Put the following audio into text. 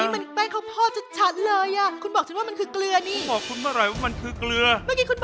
มันใช่เอาออกมาแล้วหรอ